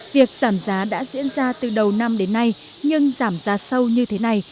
việc giảm giá đã diễn ra từ đầu năm đến nay nhưng giảm giá sâu như thế này